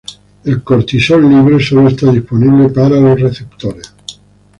El cortisol libre solo está disponible para los receptores.